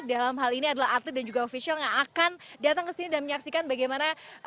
dalam hal ini adalah atlet dan juga ofisial yang akan datang ke sini dan menyaksikan bagaimana